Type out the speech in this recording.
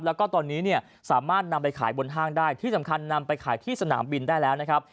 แล้วก็ตอนนี้เนี่ยสามารถนำไปขายบนห้างได้ที่สำคัญนำไปขายที่สนามบินได้แล้วนะครับ